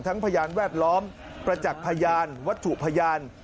พยานแวดล้อมประจักษ์พยานวัตถุพยาน